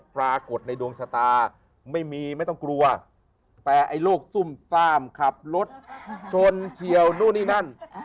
ปรากฏในดวงชะตาไม่มีไม่ต้องกลัวแต่ไอ้โรคซุ่มซ่ามขับรถชนเฉียวนู่นนี่นั่น